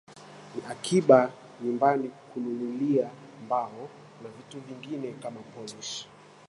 ya akiba nyumbani kununulia mbao na vitu vingine kama polishi